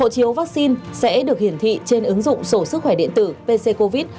hộ chiếu vaccine sẽ được hiển thị trên ứng dụng sổ sức khỏe điện tử pc covid